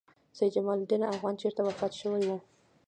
سیدجمال الدین افغان چېرته وفات شوی و؟